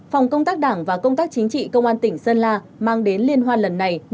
phòng công tác đảng và công tác chính trị công an tỉnh sơn la mang đến liên hoan lần này